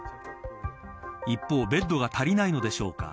一方ベッドが足りないのでしょうか。